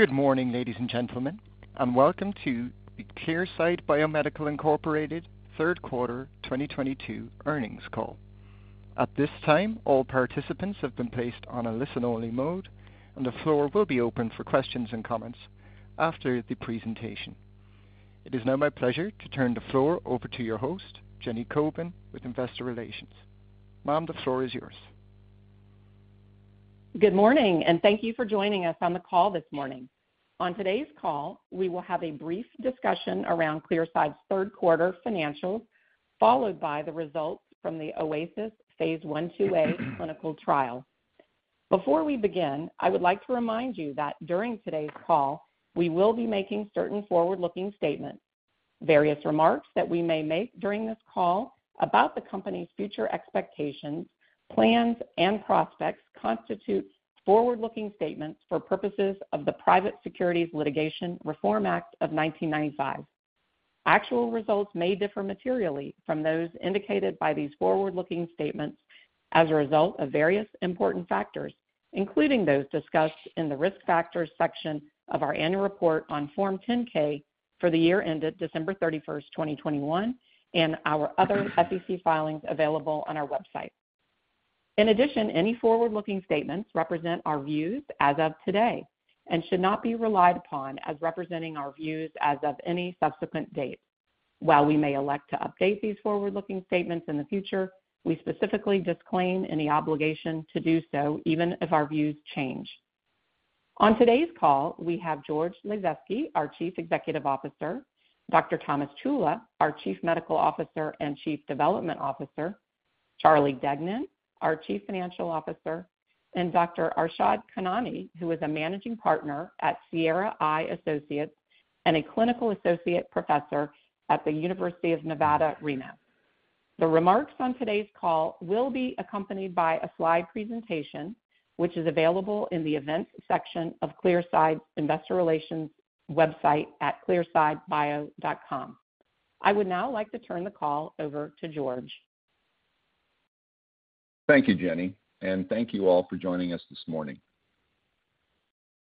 Good morning, ladies and gentlemen, and welcome to the Clearside Biomedical, Inc. third quarter 2022 earnings call. At this time, all participants have been placed on a listen-only mode, and the floor will be open for questions and comments after the presentation. It is now my pleasure to turn the floor over to your host, Jenny Kobin with Investor Relations. Ma'am, the floor is yours. Good morning, and thank you for joining us on the call this morning. On today's call, we will have a brief discussion around Clearside's third quarter financials, followed by the results from the OASIS phase I/II-A clinical trial. Before we begin, I would like to remind you that during today's call, we will be making certain forward-looking statements. Various remarks that we may make during this call about the company's future expectations, plans, and prospects constitute forward-looking statements for purposes of the Private Securities Litigation Reform Act of 1995. Actual results may differ materially from those indicated by these forward-looking statements as a result of various important factors, including those discussed in the Risk Factors section of our annual report on Form 10-K for the year ended December 31, 2021, and our other SEC filings available on our website. In addition, any forward-looking statements represent our views as of today and should not be relied upon as representing our views as of any subsequent date. While we may elect to update these forward-looking statements in the future, we specifically disclaim any obligation to do so, even if our views change. On today's call, we have George Lasezkay, our Chief Executive Officer, Dr. Thomas Ciulla, our Chief Medical Officer and Chief Development Officer, Charlie Deignan, our Chief Financial Officer, and Dr. Arshad Khanani, who is a Managing Partner at Sierra Eye Associates and a Clinical Associate Professor at the University of Nevada, Reno. The remarks on today's call will be accompanied by a slide presentation, which is available in the Events section of Clearside investor relations website at clearsidebio.com. I would now like to turn the call over to George. Thank you, Jenny, and thank you all for joining us this morning.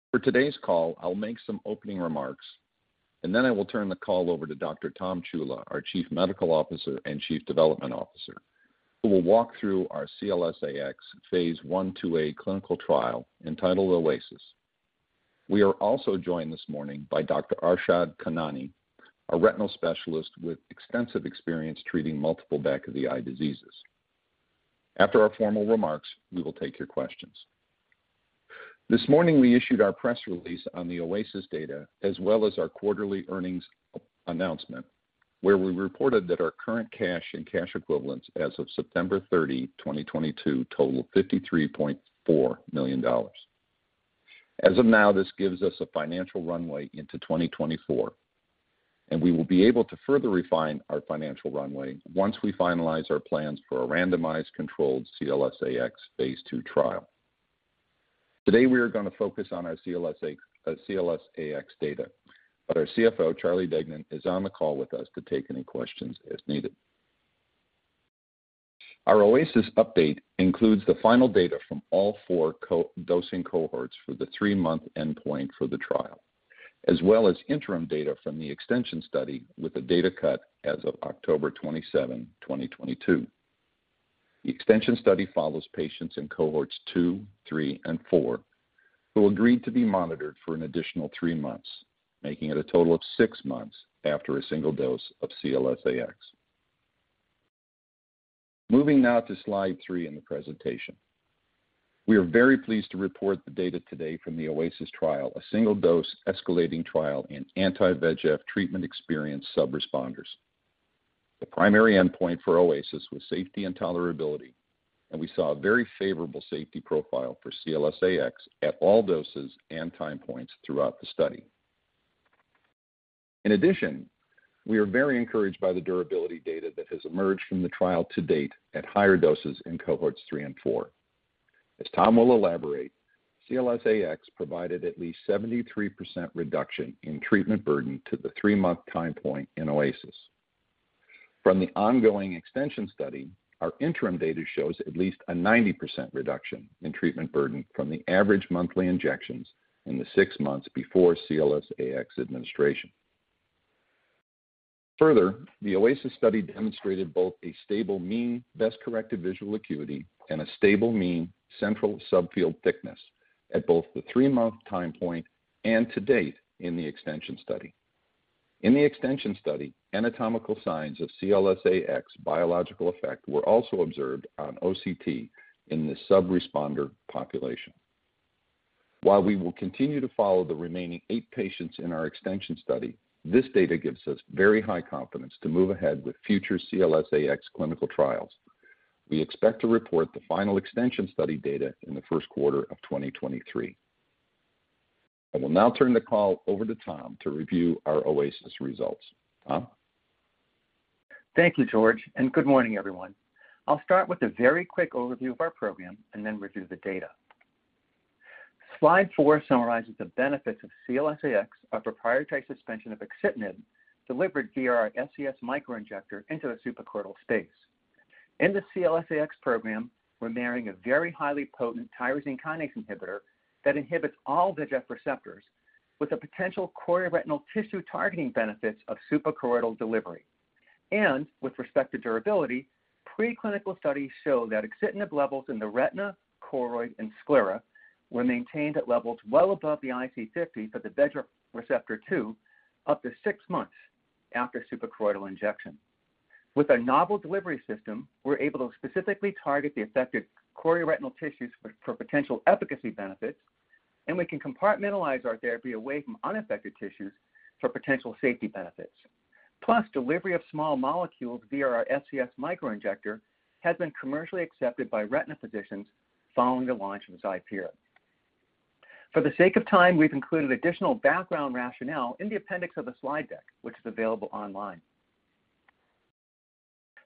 For today's call, I'll make some opening remarks, and then I will turn the call over to Dr. Tom Ciulla, our Chief Medical Officer and Chief Development Officer, who will walk through our CLS-AX phase I/II-A clinical trial entitled OASIS. We are also joined this morning by Dr. Arshad Khanani, a retinal specialist with extensive experience treating multiple back-of-the-eye diseases. After our formal remarks, we will take your questions. This morning, we issued our press release on the OASIS data, as well as our quarterly earnings announcement, where we reported that our current cash and cash equivalents as of September 30, 2022 total $53.4 million. As of now, this gives us a financial runway into 2024, and we will be able to further refine our financial runway once we finalize our plans for a randomized controlled CLS-AX phase II trial. Today, we are gonna focus on our CLS-AX data, but our CFO, Charlie Deignan, is on the call with us to take any questions as needed. Our OASIS update includes the final data from all four dosing cohorts for the three-month endpoint for the trial, as well as interim data from the extension study with the data cut as of October 27, 2022. The extension study follows patients in Cohorts 2, 3, and 4 who agreed to be monitored for an additional three months, making it a total of six months after a single dose of CLS-AX. Moving now to slide three in the presentation. We are very pleased to report the data today from the OASIS trial, a single-dose escalating trial in anti-VEGF treatment experienced sub-responders. The primary endpoint for OASIS was safety and tolerability, and we saw a very favorable safety profile for CLS-AX at all doses and time points throughout the study. In addition, we are very encouraged by the durability data that has emerged from the trial to date at higher doses in Cohorts 3 and 4. As Tom will elaborate, CLS-AX provided at least 73% reduction in treatment burden to the three-month time point in OASIS. From the ongoing extension study, our interim data shows at least a 90% reduction in treatment burden from the average monthly injections in the six months before CLS-AX administration. Further, the OASIS study demonstrated both a stable mean best corrective visual acuity and a stable mean central subfield thickness at both the three-month time point and to date in the extension study. In the extension study, anatomical signs of CLS-AX biological effect were also observed on OCT in the sub-responder population. While we will continue to follow the remaining eight patients in our extension study, this data gives us very high confidence to move ahead with future CLS-AX clinical trials. We expect to report the final extension study data in the first quarter of 2023. I will now turn the call over to Tom to review our OASIS results. Tom? Thank you, George, and good morning, everyone. I'll start with a very quick overview of our program and then review the data. Slide four summarizes the benefits of CLS-AX, our proprietary suspension of axitinib delivered via our SCS Microinjector into the suprachoroidal space. In the CLS-AX program, we're marrying a very highly potent tyrosine kinase inhibitor that inhibits all VEGF receptors with the potential choroidal retinal tissue targeting benefits of suprachoroidal delivery. With respect to durability, preclinical studies show that axitinib levels in the retina, choroid, and sclera were maintained at levels well above the IC50 for the VEGF receptor-2 up to six months after suprachoroidal injection. With our novel delivery system, we're able to specifically target the affected choroidal retinal tissues for potential efficacy benefits, and we can compartmentalize our therapy away from unaffected tissues for potential safety benefits. Plus, delivery of small molecules via our SCS Microinjector has been commercially accepted by retina physicians following the launch of XIPERE. For the sake of time, we've included additional background rationale in the appendix of the slide deck, which is available online.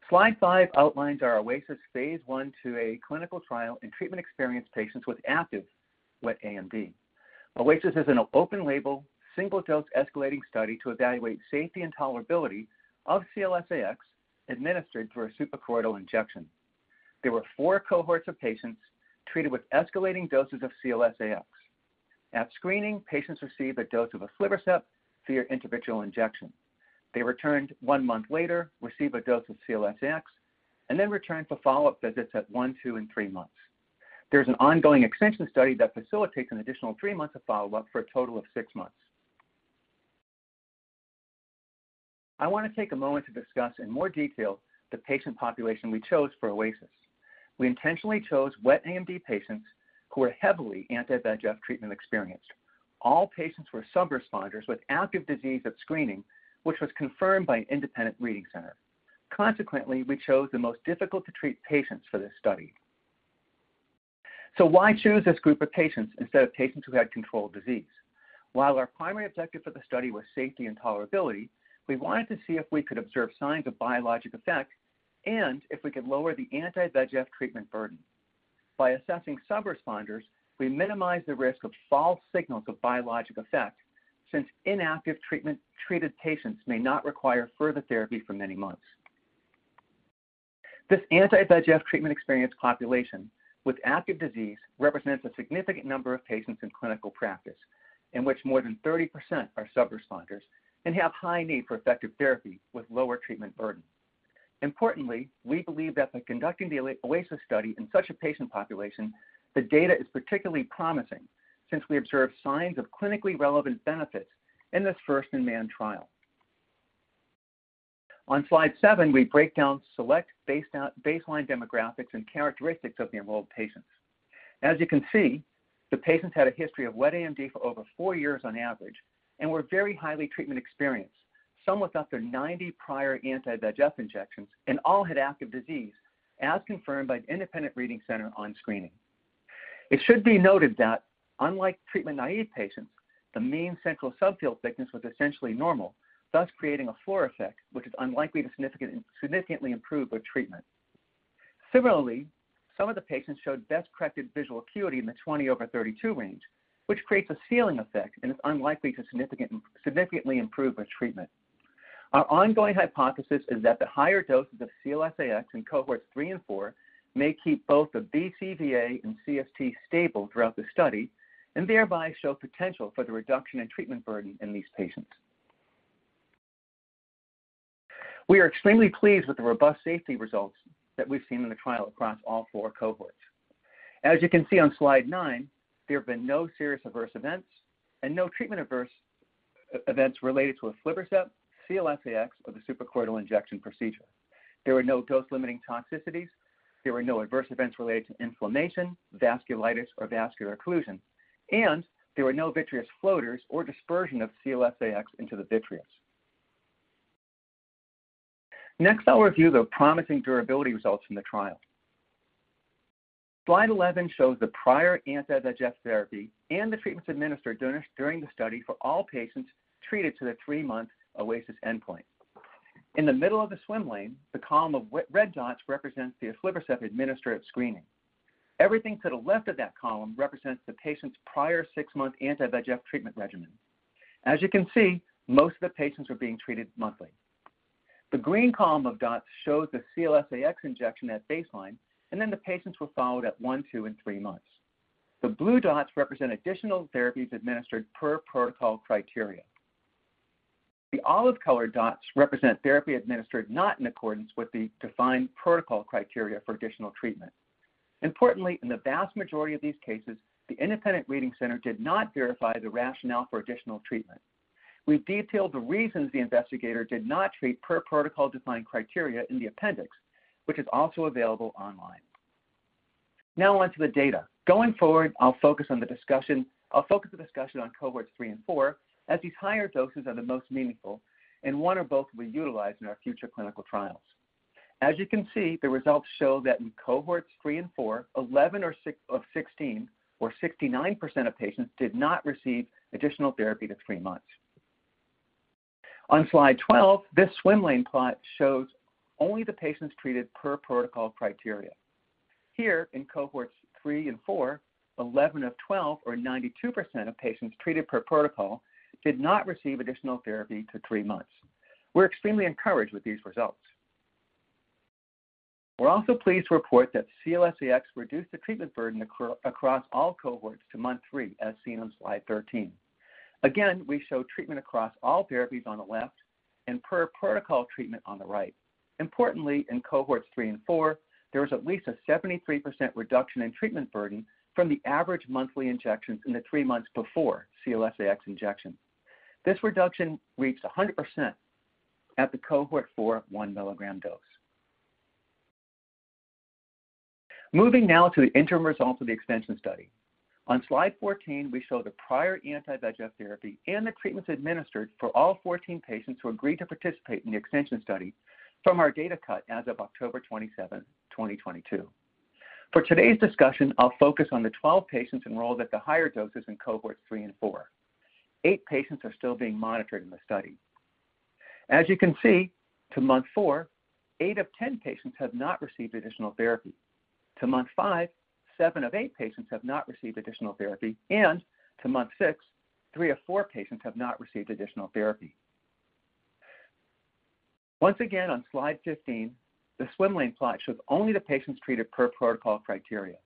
Slide five outlines our phase I/II-A clinical trial in treatment-experienced patients with active wet AMD. OASIS is an open-label, single-dose escalating study to evaluate safety and tolerability of CLS-AX administered through a suprachoroidal injection. There were four cohorts of patients treated with escalating doses of CLS-AX. At screening, patients received a dose of aflibercept via intravitreal injection. They returned one month later, received a dose of CLS-AX, and then returned for follow-up visits at one, two, and three months. There's an ongoing extension study that facilitates an additional three months of follow-up for a total of six months. I want to take a moment to discuss in more detail the patient population we chose for OASIS. We intentionally chose wet AMD patients who are heavily anti-VEGF treatment experienced. All patients were sub-responders with active disease at screening, which was confirmed by an independent reading center. Consequently, we chose the most difficult to treat patients for this study. Why choose this group of patients instead of patients who had controlled disease? While our primary objective for the study was safety and tolerability, we wanted to see if we could observe signs of biologic effect and if we could lower the anti-VEGF treatment burden. By assessing sub-responders, we minimize the risk of false signals of biologic effect since inactive treatment treated patients may not require further therapy for many months. This anti-VEGF treatment experienced population with active disease represents a significant number of patients in clinical practice, in which more than 30% are sub-responders and have high need for effective therapy with lower treatment burden. Importantly, we believe that by conducting the OASIS study in such a patient population, the data is particularly promising since we observe signs of clinically relevant benefits in this first-in-man trial. On slide seven, we break down select baseline demographics and characteristics of the enrolled patients. As you can see, the patients had a history of wet AMD for over four years on average and were very highly treatment experienced. Some with up to 90 prior anti-VEGF injections, and all had active disease, as confirmed by an independent reading center on screening. It should be noted that unlike treatment naïve patients, the mean central subfield thickness was essentially normal, thus creating a floor effect, which is unlikely to significantly improve with treatment. Similarly, some of the patients showed best corrected visual acuity in the 20/32 range, which creates a ceiling effect and is unlikely to significantly improve with treatment. Our ongoing hypothesis is that the higher doses of CLS-AX in Cohorts 3 and 4 may keep both the BCVA and CST stable throughout the study and thereby show potential for the reduction in treatment burden in these patients. We are extremely pleased with the robust safety results that we've seen in the trial across all four cohorts. As you can see on slide nine, there have been no serious adverse events and no treatment adverse events related to aflibercept, CLS-AX, or the suprachoroidal injection procedure. There were no dose-limiting toxicities. There were no adverse events related to inflammation, vasculitis, or vascular occlusion. There were no vitreous floaters or dispersion of CLS-AX into the vitreous. Next, I'll review the promising durability results from the trial. Slide 11 shows the prior anti-VEGF therapy and the treatments administered during the study for all patients treated to the three-month OASIS endpoint. In the middle of the swim lane, the column of red dots represents the aflibercept administered at screening. Everything to the left of that column represents the patient's prior six-month anti-VEGF treatment regimen. As you can see, most of the patients are being treated monthly. The green column of dots shows the CLS-AX injection at baseline, and then the patients were followed at one, two, and three months. The blue dots represent additional therapies administered per protocol criteria. The olive-colored dots represent therapy administered not in accordance with the defined protocol criteria for additional treatment. Importantly, in the vast majority of these cases, the independent reading center did not verify the rationale for additional treatment. We've detailed the reasons the investigator did not treat per protocol defined criteria in the appendix, which is also available online. Now on to the data. Going forward, I'll focus the discussion on Cohorts 3 and 4, as these higher doses are the most meaningful, and one or both will be utilized in our future clinical trials. As you can see, the results show that in Cohorts 3 and 4, 11 or 69% of patients did not receive additional therapy to three months. On slide 12, this swim lane plot shows only the patients treated per protocol criteria. Here in Cohorts 3 and 4, 11 of 12 or 92% of patients treated per protocol did not receive additional therapy to three months. We're extremely encouraged with these results. We're also pleased to report that CLS-AX reduced the treatment burden across all cohorts to month three, as seen on slide 13. Again, we show treatment across all therapies on the left and per-protocol treatment on the right. Importantly, in Cohorts 3 and 4, there was at least a 73% reduction in treatment burden from the average monthly injections in the three months before CLS-AX injection. This reduction reached a 100% at the Cohort 4 1 mg dose. Moving now to the interim results of the expansion study. On slide 14, we show the prior anti-VEGF therapy and the treatments administered for all 14 patients who agreed to participate in the expansion study from our data cut as of October 27, 2022. For today's discussion, I'll focus on the 12 patients enrolled at the higher doses in Cohorts 3 and 4. Eight patients are still being monitored in the study. As you can see, to month four, eight of 10 patients have not received additional therapy. To month five, seven of eight patients have not received additional therapy, and to month six, three of four patients have not received additional therapy. Once again, on slide 15, the swim lane plot shows only the patients treated per protocol criteria.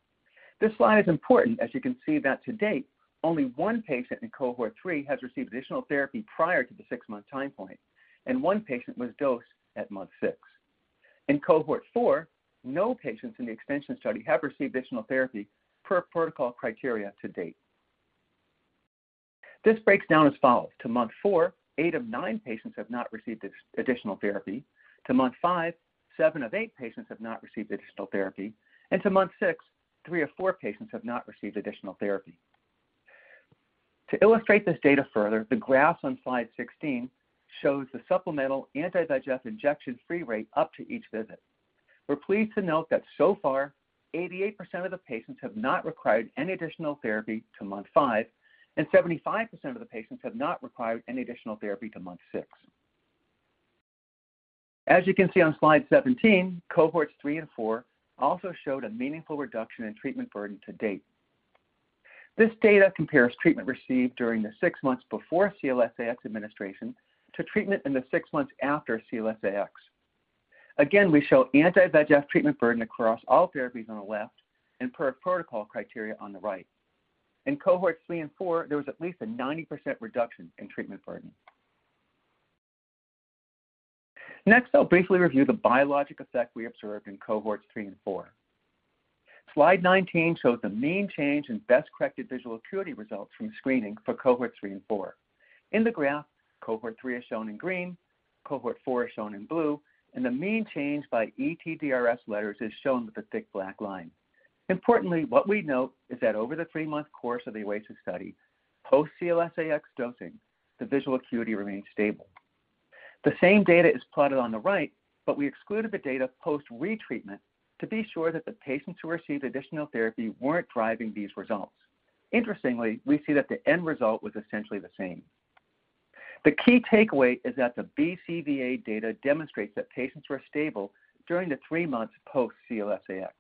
This slide is important, as you can see that to date, only one patient in Cohort 3 has received additional therapy prior to the six-month time point, and one patient was dosed at month six. In Cohort 4, no patients in the expansion study have received additional therapy per protocol criteria to date. This breaks down as follows. To month four, eight of nine patients have not received additional therapy. To month five, seven of eight patients have not received additional therapy, and to month six, three of four patients have not received additional therapy. To illustrate this data further, the graph on slide 16 shows the supplemental anti-VEGF injection-free rate up to each visit. We're pleased to note that so far, 88% of the patients have not required any additional therapy to month five, and 75% of the patients have not required any additional therapy to month six. As you can see on slide 17, Cohorts 3 and 4 also showed a meaningful reduction in treatment burden to date. This data compares treatment received during the six months before CLS-AX administration to treatment in the six months after CLS-AX. Again, we show anti-VEGF treatment burden across all therapies on the left and per protocol criteria on the right. In Cohorts 3 and 4, there was at least a 90% reduction in treatment burden. Next, I'll briefly review the biologic effect we observed in Cohorts 3 and 4. Slide 19 shows the mean change in best-corrected visual acuity results from screening for Cohorts 3 and 4. In the graph, Cohort 3 is shown in green, Cohort 4 is shown in blue, and the mean change by ETDRS letters is shown with a thick black line. Importantly, what we note is that over the three-month course of the OASIS study, post-CLS-AX dosing, the visual acuity remained stable. The same data is plotted on the right, but we excluded the data post-retreatment to be sure that the patients who received additional therapy weren't driving these results. Interestingly, we see that the end result was essentially the same. The key takeaway is that the BCVA data demonstrates that patients were stable during the three months post-CLS-AX.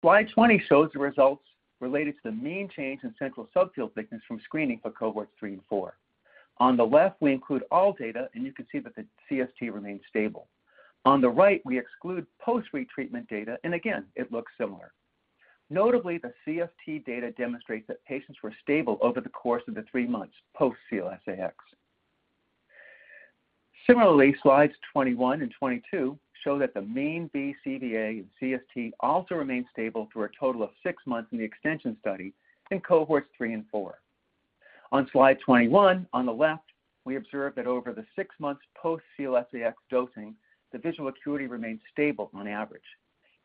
Slide 20 shows the results related to the mean change in central subfield thickness from screening for Cohorts 3 and 4. On the left, we include all data, and you can see that the CST remains stable. On the right, we exclude post-retreatment data, and again, it looks similar. Notably, the CST data demonstrates that patients were stable over the course of the three months post-CLS-AX. Similarly, slides 21 and 22 show that the mean BCVA and CST also remained stable through a total of six months in the extension study in Cohorts 3 and 4. On slide 21, on the left, we observe that over the six months post-CLS-AX dosing, the visual acuity remained stable on average.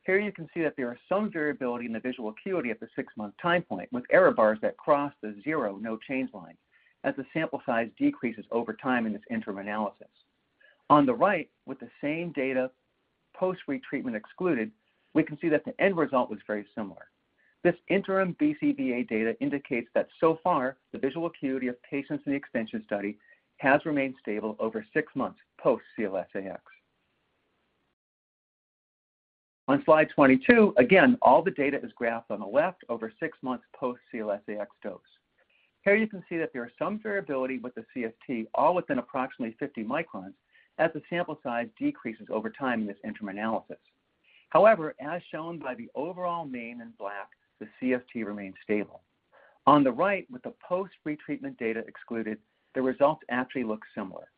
Here you can see that there is some variability in the visual acuity at the six-month time point, with error bars that cross the zero no-change line as the sample size decreases over time in this interim analysis. On the right, with the same data post-retreatment excluded, we can see that the end result was very similar. This interim BCVA data indicates that so far, the visual acuity of patients in the extension study has remained stable over six months post-CLS-AX. On slide 22, again, all the data is graphed on the left over six months post-CLS-AX dose. Here you can see that there is some variability with the CST, all within approximately 50 microns, as the sample size decreases over time in this interim analysis. However, as shown by the overall mean in black, the CST remains stable. On the right, with the post-retreatment data excluded, the results actually look similar.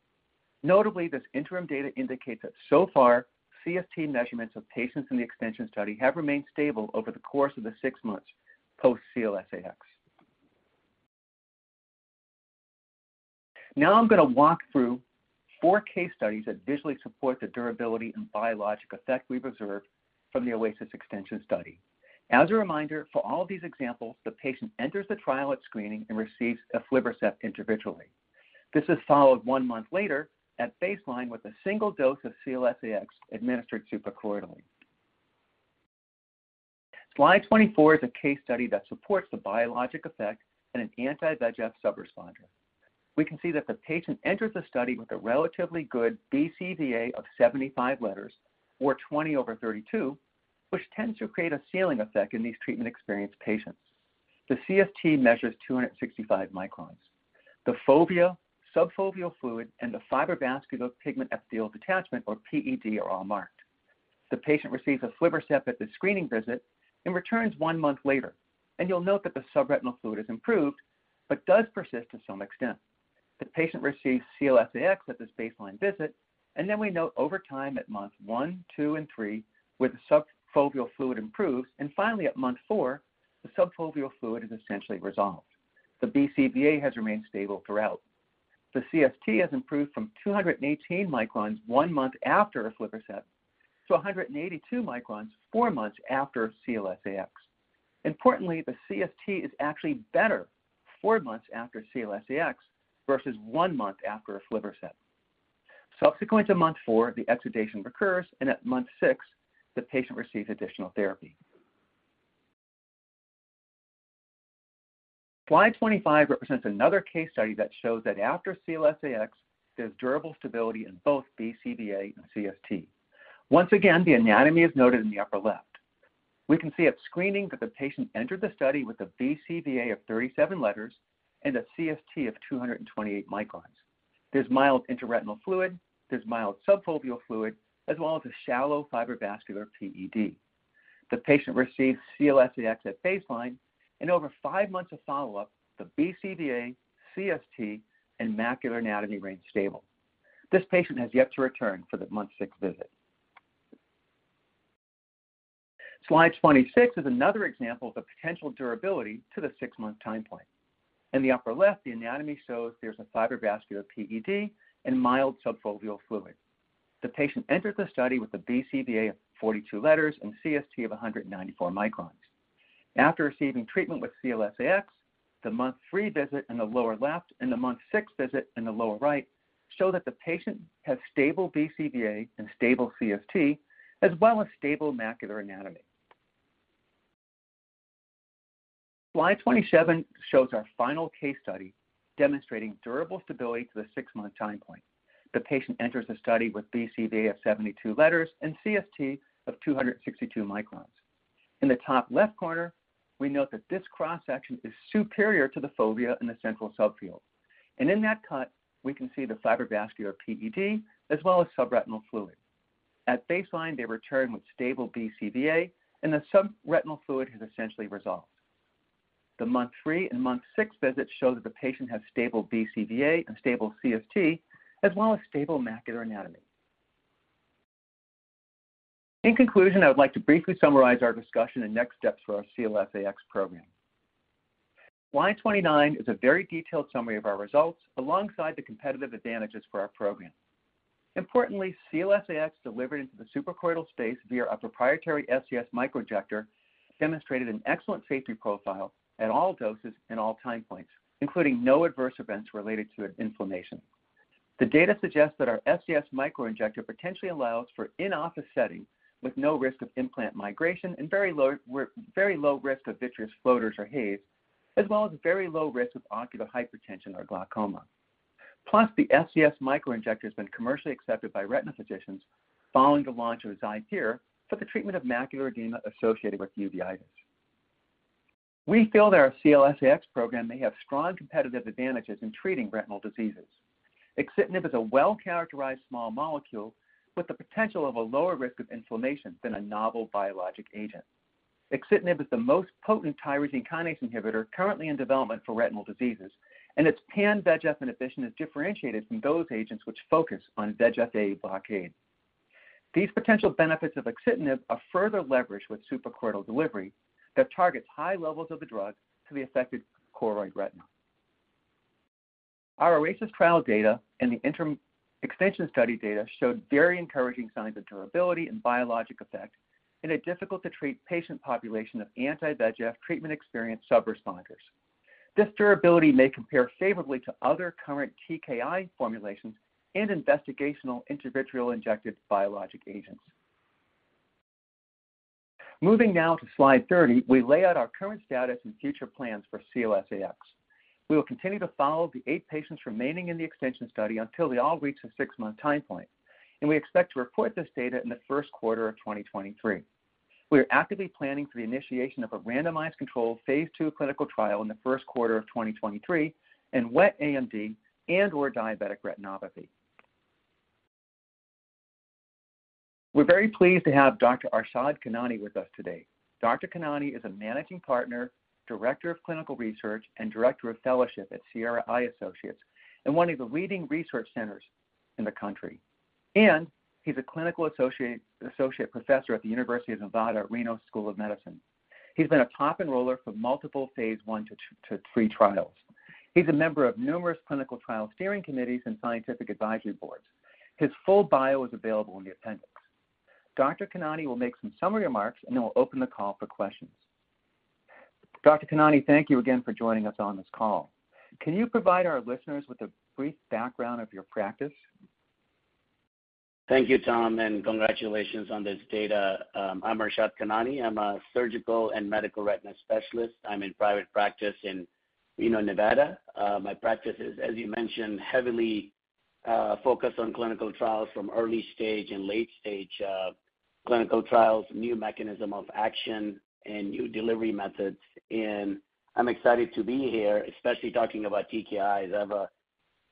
Notably, this interim data indicates that so far, CST measurements of patients in the extension study have remained stable over the course of the six months post-CLS-AX. Now I'm going to walk through four case studies that visually support the durability and biologic effect we've observed from the OASIS extension study. As a reminder, for all of these examples, the patient enters the trial at screening and receives aflibercept intravitreally. This is followed one month later at baseline with a single dose of CLS-AX administered suprachoroidal. Slide 24 is a case study that supports the biologic effect in an anti-VEGF sub-responder. We can see that the patient entered the study with a relatively good BCVA of 75 letters or 20/32, which tends to create a ceiling effect in these treatment-experienced patients. The CST measures 265 microns. The fovea, subfoveal fluid, and the fibrovascular pigment epithelial detachment, or PED, are all marked. The patient receives an aflibercept at the screening visit and returns one month later, and you'll note that the subretinal fluid is improved but does persist to some extent. The patient receives CLS-AX at this baseline visit, and then we note over time at month one, two, and three where the subfoveal fluid improves, and finally at month four, the subfoveal fluid is essentially resolved. The BCVA has remained stable throughout. The CST has improved from 218 microns one month after an aflibercept to 182 microns four months after CLS-AX. Importantly, the CST is actually better four months after CLS-AX versus one month after an aflibercept. Subsequent to month four, the exudation recurs, and at month six, the patient receives additional therapy. Slide 25 represents another case study that shows that after CLS-AX, there's durable stability in both BCVA and CST. Once again, the anatomy is noted in the upper left. We can see at screening that the patient entered the study with a BCVA of 37 letters and a CST of 228 microns. There's mild intraretinal fluid, there's mild subfoveal fluid, as well as a shallow fibrovascular PED. The patient receives CLS-AX at baseline, and over five months of follow-up, the BCVA, CST, and macular anatomy remains stable. This patient has yet to return for the month six visit. Slide 26 is another example of the potential durability to the six-month time point. In the upper left, the anatomy shows there's a fibrovascular PED and mild subfoveal fluid. The patient entered the study with a BCVA of 42 letters and CST of 194 microns. After receiving treatment with CLS-AX, the month three visit in the lower left and the month six visit in the lower right show that the patient has stable BCVA and stable CST, as well as stable macular anatomy. Slide 27 shows our final case study demonstrating durable stability to the six-month time point. The patient enters the study with BCVA of 72 letters and CST of 262 microns. In the top left corner, we note that this cross-section is superior to the fovea in the central subfield. In that cut, we can see the fibrovascular PED as well as subretinal fluid. At baseline, they return with stable BCVA, and the subretinal fluid has essentially resolved. The month three and month six visits show that the patient has stable BCVA and stable CST, as well as stable macular anatomy. In conclusion, I would like to briefly summarize our discussion and next steps for our CLS-AX program. Slide 29 is a very detailed summary of our results alongside the competitive advantages for our program. Importantly, CLS-AX delivered into the suprachoroidal space via a proprietary SCS Microinjector, demonstrated an excellent safety profile at all doses and all time points, including no adverse events related to inflammation. The data suggests that our SCS Microinjector potentially allows for in-office setting with no risk of implant migration and very low risk of vitreous floaters or haze, as well as very low risk of ocular hypertension or glaucoma. The SCS Microinjector has been commercially accepted by retina physicians following the launch of XIPERE for the treatment of macular edema associated with uveitis. We feel that our CLS-AX program may have strong competitive advantages in treating retinal diseases. Axitinib is a well-characterized small molecule with the potential of a lower risk of inflammation than a novel biologic agent. Axitinib is the most potent tyrosine kinase inhibitor currently in development for retinal diseases, and its pan-VEGF inhibition is differentiated from those agents which focus on VEGF-A blockade. These potential benefits of axitinib are further leveraged with suprachoroidal delivery that targets high levels of the drug to the affected choroid and retina. Our OASIS trial data and the interim extension study data showed very encouraging signs of durability and biologic effect in a difficult to treat patient population of anti-VEGF treatment experienced sub-responders. This durability may compare favorably to other current TKI formulations and investigational intravitreal injected biologic agents. Moving now to slide 30, we lay out our current status and future plans for CLS-AX. We will continue to follow the eight patients remaining in the extension study until they all reach the six-month time point, and we expect to report this data in the first quarter of 2023. We are actively planning for the initiation of a randomized controlled phase II clinical trial in the first quarter of 2023 in wet AMD and/or diabetic retinopathy. We're very pleased to have Dr. Arshad Khanani with us today. Dr. Khanani is a Managing Partner, Director of Clinical Research, and Director of Fellowship at Sierra Eye Associates and one of the leading research centers in the country, and he's a Clinical Associate Professor at the University of Nevada, Reno School of Medicine. He's been a top enroller for multiple phase I to II to III trials. He's a member of numerous clinical trial steering committees and scientific advisory boards. His full bio is available in the appendix. Dr. Khanani will make some summary remarks, and then we'll open the call for questions. Dr. Khanani, thank you again for joining us on this call. Can you provide our listeners with a brief background of your practice? Thank you, Tom, and congratulations on this data. I'm Arshad Khanani. I'm a Surgical and Medical Retina Specialist. I'm in private practice in Reno, Nevada. My practice is, as you mentioned, heavily focused on clinical trials from early stage and late stage, new mechanism of action and new delivery methods. I'm excited to be here, especially talking about TKIs.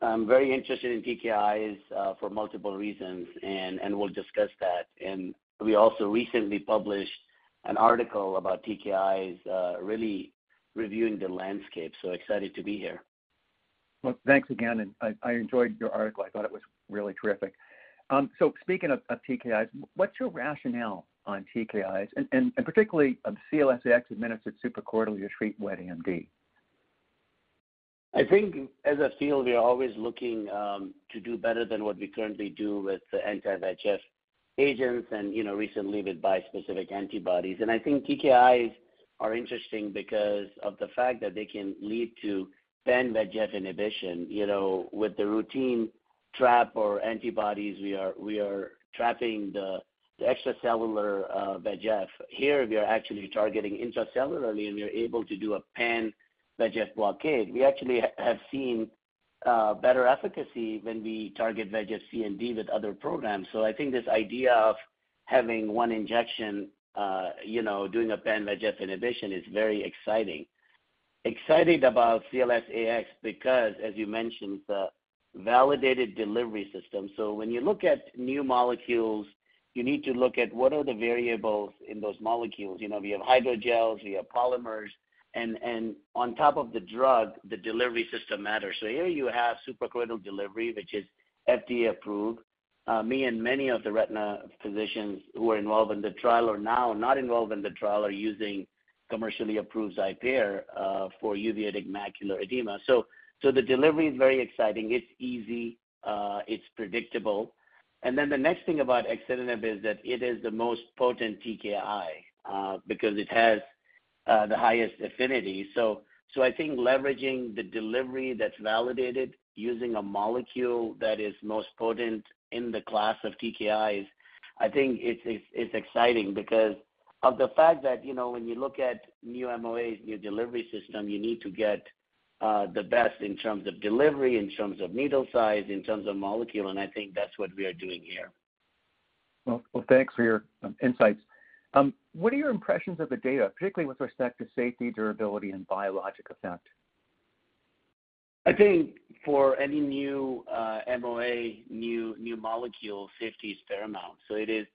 I'm very interested in TKIs for multiple reasons, and we'll discuss that. We also recently published an article about TKIs, really reviewing the landscape, so excited to be here. Well, thanks again. I enjoyed your article. I thought it was really terrific. Speaking of TKIs, what's your rationale on TKIs, and particularly of CLS-AX administered suprachoroidal to treat wet AMD? I think as a field, we are always looking to do better than what we currently do with the anti-VEGF agents and, you know, recently with bispecific antibodies. I think TKIs are interesting because of the fact that they can lead to pan-VEGF inhibition. You know, with the VEGF trap or antibodies, we are trapping the extracellular VEGF. Here, we are actually targeting intracellularly, and we are able to do a pan-VEGF blockade. We actually have seen better efficacy when we target VEGF C and D with other programs. I think this idea of having one injection, you know, doing a pan-VEGF inhibition is very exciting. Excited about CLS-AX because, as you mentioned, the validated delivery system. When you look at new molecules, you need to look at what are the variables in those molecules. You know, we have hydrogels, we have polymers, and on top of the drug, the delivery system matters. Here you have suprachoroidal delivery, which is FDA approved. Me and many of the retina physicians who are involved in the trial or now not involved in the trial are using commercially approved XIPERE for uveitic macular edema. The delivery is very exciting. It's easy, it's predictable. Then the next thing about axitinib is that it is the most potent TKI because it has the highest affinity. I think leveraging the delivery that's validated using a molecule that is most potent in the class of TKIs, I think it's exciting because of the fact that, you know, when you look at new MOAs, new delivery system, you need to get the best in terms of delivery, in terms of needle size, in terms of molecule, and I think that's what we are doing here. Well, thanks for your insights. What are your impressions of the data, particularly with respect to safety, durability, and biologic effect? I think for any new MOA, new molecule, safety is paramount. It is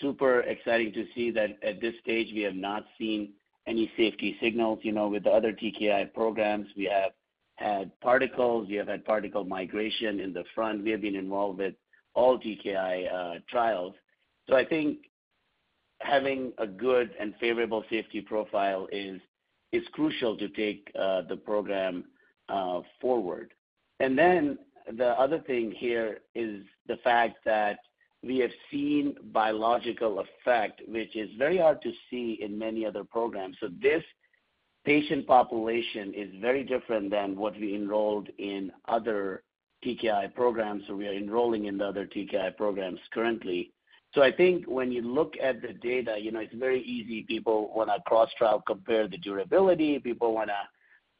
super exciting to see that at this stage we have not seen any safety signals. You know, with the other TKI programs, we have had particles, we have had particle migration in the front. We have been involved with all TKI trials. I think having a good and favorable safety profile is crucial to take the program forward. Then the other thing here is the fact that we have seen biological effect, which is very hard to see in many other programs. This patient population is very different than what we enrolled in other TKI programs, or we are enrolling in the other TKI programs currently. I think when you look at the data, you know, it's very easy. People wanna cross-trial compare the durability. People wanna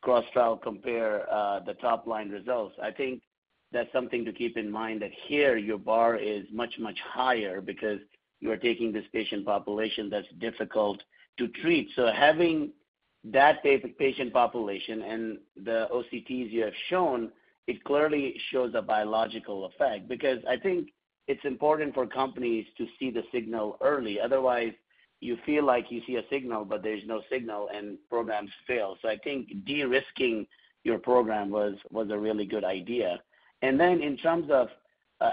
cross-trial compare the top-line results. I think that's something to keep in mind that here your bar is much, much higher because you are taking this patient population that's difficult to treat. Having that baseline patient population and the OCTs you have shown, it clearly shows a biological effect. I think it's important for companies to see the signal early. Otherwise, you feel like you see a signal, but there's no signal, and programs fail. I think de-risking your program was a really good idea. In terms of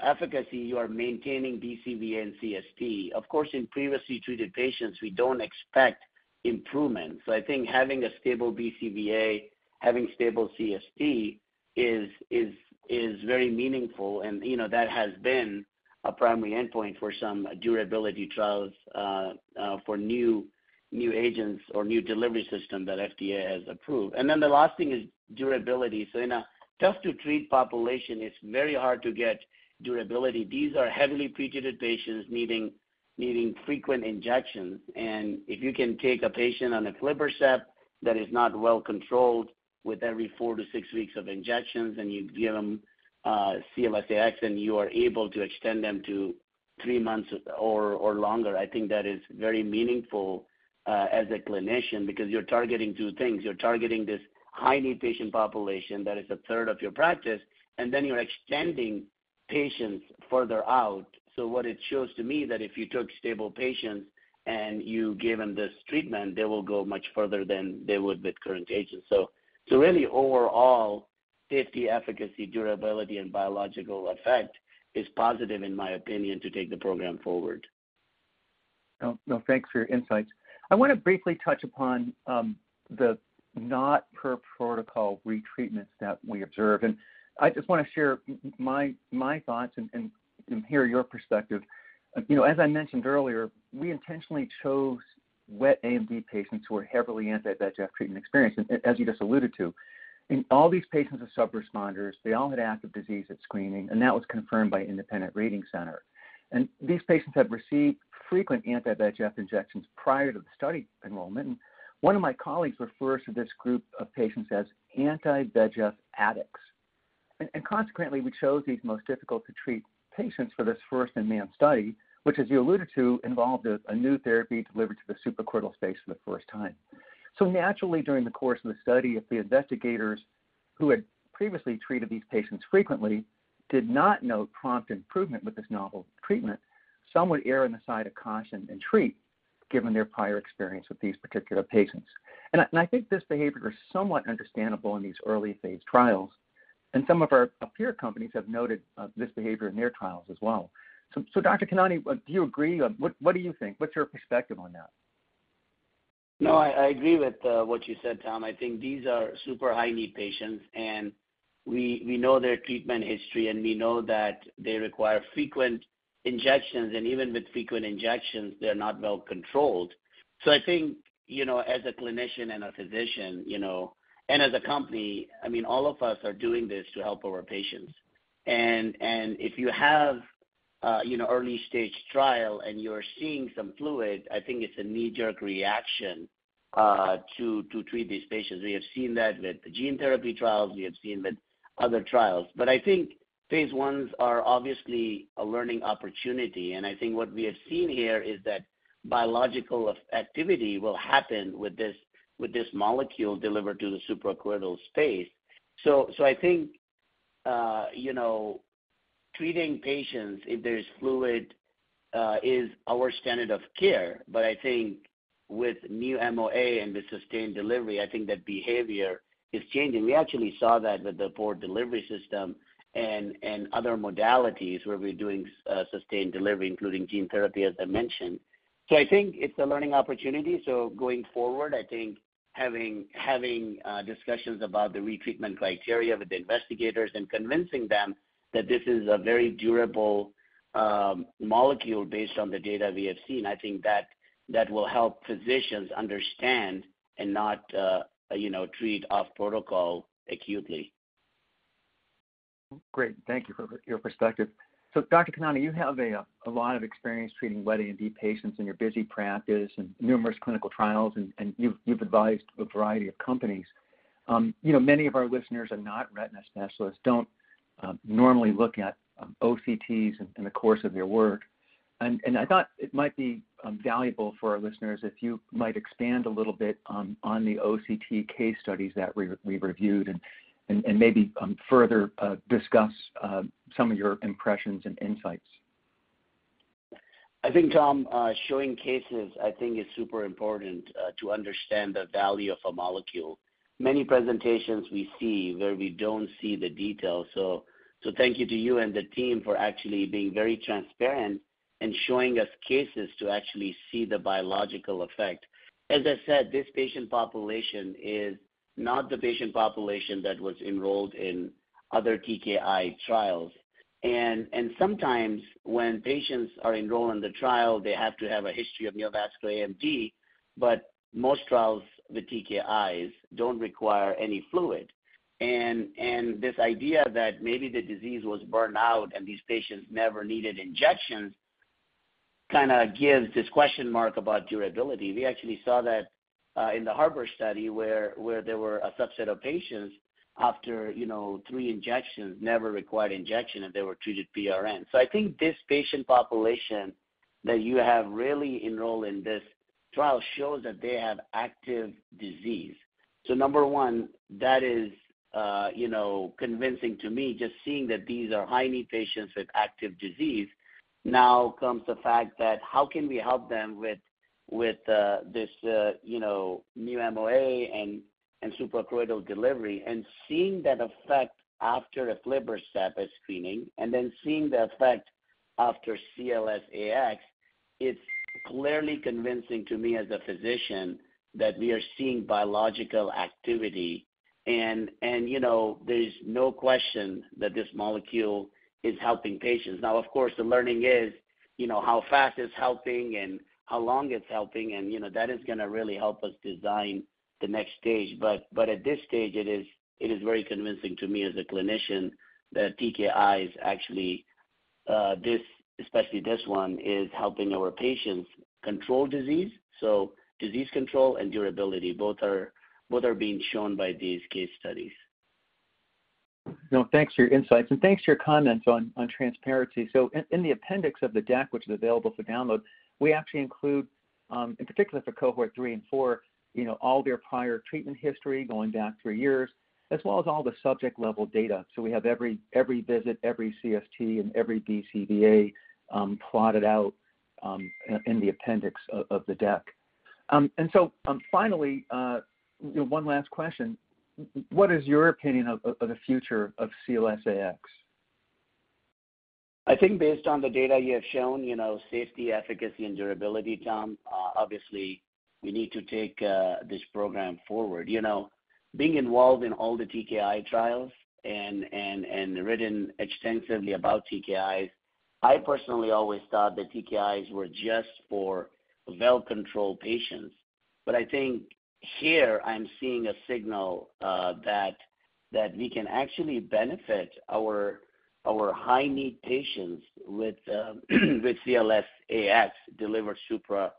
efficacy, you are maintaining BCVA and CST. Of course, in previously treated patients, we don't expect improvement. I think having a stable BCVA, having stable CST is very meaningful. You know, that has been a primary endpoint for some durability trials for new agents or new delivery system that FDA has approved. The last thing is durability. In a tough-to-treat population, it's very hard to get durability. These are heavily pretreated patients needing frequent injections. If you can take a patient on aflibercept that is not well controlled with every four to six weeks of injections, and you give them CLS-AX, and you are able to extend them to three months or longer, I think that is very meaningful as a clinician because you're targeting two things. You're targeting this high-need patient population that is a third of your practice, and then you're extending patients further out. What it shows to me that if you took stable patients and you give them this treatment, they will go much further than they would with current agents. Really overall, safety, efficacy, durability, and biological effect is positive, in my opinion, to take the program forward. Oh, no, thanks for your insights. I wanna briefly touch upon the not per protocol re-treatments that we observe. I just wanna share my thoughts and hear your perspective. You know, as I mentioned earlier, we intentionally chose wet AMD patients who are heavily anti-VEGF treatment experienced. As you just alluded to, in all these patients as sub-responders, they all had active disease at screening, and that was confirmed by independent reading center. These patients had received frequent anti-VEGF injections prior to the study enrollment. One of my colleagues refers to this group of patients as anti-VEGF addicts. Consequently, we chose these most difficult to treat patients for this first-in-man study, which, as you alluded to, involved a new therapy delivered to the suprachoroidal space for the first time. Naturally, during the course of the study, if the investigators who had previously treated these patients frequently did not note prompt improvement with this novel treatment, some would err on the side of caution and treat, given their prior experience with these particular patients. I think this behavior is somewhat understandable in these early phase trials, and some of our peer companies have noted this behavior in their trials as well. Dr. Khanani, do you agree? What do you think? What's your perspective on that? No, I agree with what you said, Tom. I think these are super high-need patients, and we know their treatment history, and we know that they require frequent injections. Even with frequent injections, they're not well controlled. I think, you know, as a clinician and a physician, you know, and as a company, I mean, all of us are doing this to help our patients. If you have, you know, early stage trial and you're seeing some fluid, I think it's a knee-jerk reaction to treat these patients. We have seen that with the gene therapy trials, we have seen with other trials. I think phase Is are obviously a learning opportunity. I think what we have seen here is that biological activity will happen with this molecule delivered to the suprachoroidal space. I think you know, treating patients, if there's fluid, is our standard of care. I think with new MOA and the sustained delivery, I think that behavior is changing. We actually saw that with the Port Delivery System and other modalities where we're doing sustained delivery, including gene therapy, as I mentioned. I think it's a learning opportunity. Going forward, I think having discussions about the retreatment criteria with the investigators and convincing them that this is a very durable molecule based on the data we have seen. I think that will help physicians understand and not you know, treat off protocol acutely. Great. Thank you for your perspective. Dr. Khanani, you have a lot of experience treating wet AMD patients in your busy practice and numerous clinical trials, and you've advised a variety of companies. You know, many of our listeners are not retina specialists, don't normally look at OCTs in the course of their work. I thought it might be valuable for our listeners if you might expand a little bit on the OCT case studies that we reviewed and maybe further discuss some of your impressions and insights. I think, Tom, showing cases, I think is super important, to understand the value of a molecule. Many presentations we see where we don't see the details. Thank you to you and the team for actually being very transparent and showing us cases to actually see the biological effect. As I said, this patient population is not the patient population that was enrolled in other TKI trials. Sometimes when patients are enrolled in the trial, they have to have a history of neovascular AMD, but most trials, the TKIs, don't require any fluid. This idea that maybe the disease was burned out and these patients never needed injections, kinda gives this question mark about durability. We actually saw that in the HARBOR study where there were a subset of patients after, you know, three injections, never required injection, and they were treated PRN. I think this patient population that you have really enrolled in this trial shows that they have active disease. Number one, that is, you know, convincing to me, just seeing that these are high-need patients with active disease. Now comes the fact that how can we help them with this, you know, new MOA and suprachoroidal delivery. Seeing that effect after aflibercept at screening and then seeing the effect after CLS-AX, it's clearly convincing to me as a physician that we are seeing biological activity. You know, there's no question that this molecule is helping patients. Now, of course, the learning is, you know, how fast it's helping and how long it's helping. you know, that is gonna really help us design the next stage. at this stage, it is very convincing to me as a clinician that TKIs actually, especially this one, is helping our patients control disease. disease control and durability, both are being shown by these case studies. No, thanks for your insights and thanks for your comments on transparency. In the appendix of the deck, which is available for download, we actually include, in particular for Cohort 3 and 4, you know, all their prior treatment history going back three years as well as all the subject level data. We have every visit, every CST, and every BCVA plotted out in the appendix of the deck. Finally, one last question. What is your opinion of the future of CLS-AX? I think based on the data you have shown, you know, safety, efficacy, and durability, Tom, obviously we need to take this program forward. You know, being involved in all the TKI trials and written extensively about TKIs, I personally always thought that TKIs were just for well-controlled patients. I think here I'm seeing a signal that we can actually benefit our high-need patients with CLS-AX delivered suprachoroidal.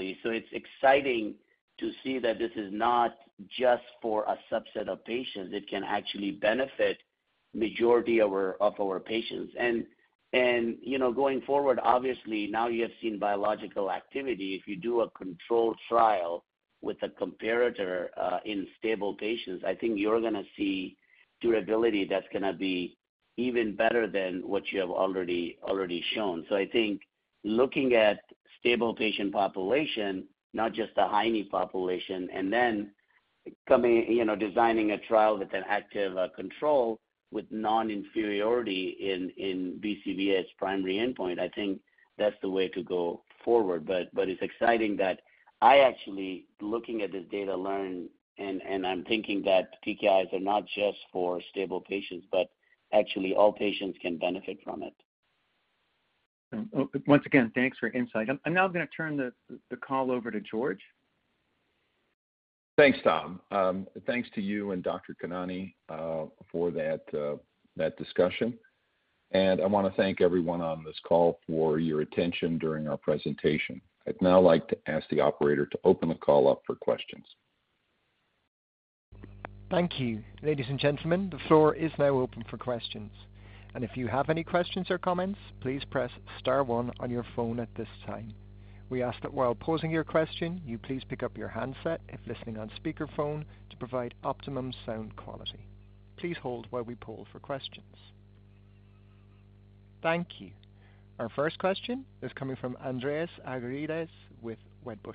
It's exciting to see that this is not just for a subset of patients. It can actually benefit majority of our patients. You know, going forward, obviously, now you have seen biological activity. If you do a controlled trial with a comparator in stable patients, I think you're gonna see durability that's gonna be even better than what you have already shown. I think looking at stable patient population, not just the high-need population, and then you know, designing a trial with an active control with non-inferiority in BCVA as primary endpoint, I think that's the way to go forward. It's exciting that I actually, looking at this data learned, and I'm thinking that TKIs are not just for stable patients, but actually all patients can benefit from it. Once again, thanks for your insight. I'm now gonna turn the call over to George. Thanks, Tom. Thanks to you and Dr. Khanani for that discussion. I wanna thank everyone on this call for your attention during our presentation. I'd now like to ask the operator to open the call up for questions. Thank you. Ladies and gentlemen, the floor is now open for questions. If you have any questions or comments, please press star one on your phone at this time. We ask that while posing your question, you please pick up your handset if listening on speakerphone to provide optimum sound quality. Please hold while we poll for questions. Thank you. Our first question is coming from Andreas Argyrides with Wedbush.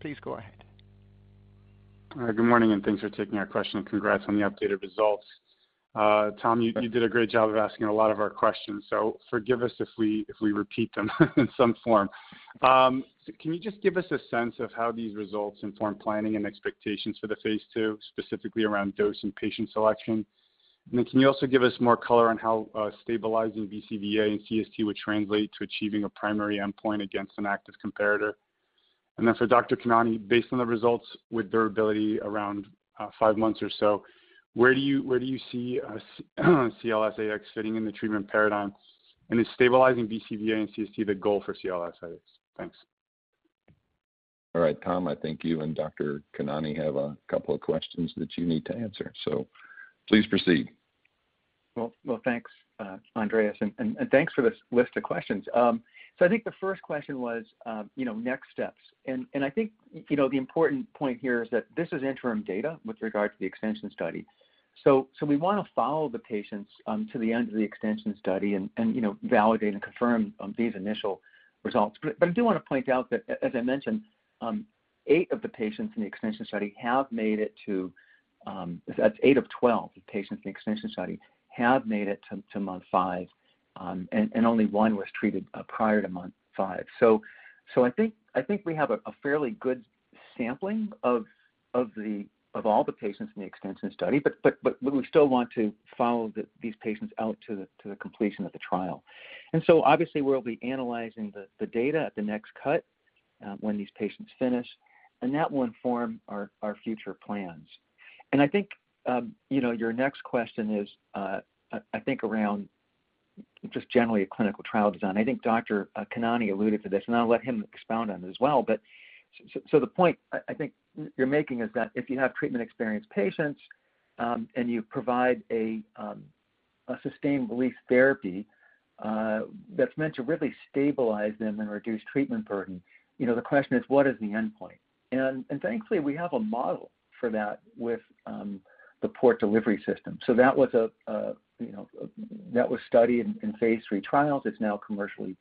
Please go ahead. Hi. Good morning, and thanks for taking our question. Congrats on the updated results. Tom, you did a great job of asking a lot of our questions, so forgive us if we repeat them in some form. Can you just give us a sense of how these results inform planning and expectations for the phase II, specifically around dose and patient selection? And then can you also give us more color on how stabilizing BCVA and CST would translate to achieving a primary endpoint against an active comparator? And then for Dr. Khanani, based on the results with durability around five months or so, where do you see CLS-AX fitting in the treatment paradigm? And is stabilizing BCVA and CST the goal for CLS-AX? Thanks. All right, Tom, I think you and Dr. Khanani have a couple of questions that you need to answer, so please proceed. Well, thanks, Andreas, and thanks for this list of questions. I think the first question was, you know, next steps. I think, you know, the important point here is that this is interim data with regard to the extension study. We wanna follow the patients to the end of the extension study and, you know, validate and confirm these initial results. I do wanna point out that as I mentioned, eight of the patients in the extension study have made it to. That's eight of 12 patients in the extension study have made it to month five, and only one was treated prior to month five. I think we have a fairly good sampling of all the patients in the extension study, but we would still want to follow these patients out to the completion of the trial. Obviously we'll be analyzing the data at the next cut when these patients finish, and that will inform our future plans. I think, you know, your next question is, I think, around just generally a clinical trial design. I think Dr. Khanani alluded to this, and I'll let him expound on it as well. The point I think you're making is that if you have treatment-experienced patients, and you provide a sustained release therapy, that's meant to really stabilize them and reduce treatment burden, you know, the question is what is the endpoint? Thankfully, we have a model for that with the Port Delivery System. That was studied in phase III trials. It's now commercially